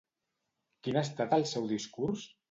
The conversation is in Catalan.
Quin ha estat el seu discurs?